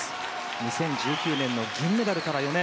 ２０１９年の銀メダルから４年。